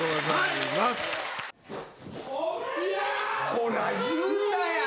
ほら言うたやん！